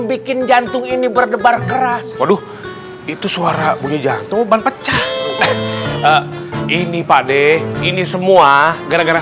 bikin jantung ini berdebar keras waduh itu suara bunyi jantung ban pecah ini pak de ini semua gara gara